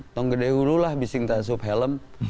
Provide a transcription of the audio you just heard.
tonggede hurulah bising tasuk helm